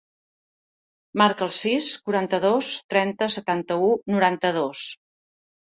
Marca el sis, quaranta-dos, trenta, setanta-u, noranta-dos.